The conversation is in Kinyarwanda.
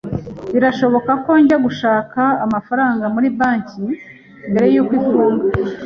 Birashoboka ko njya gushaka amafaranga muri banki mbere yuko ifunga.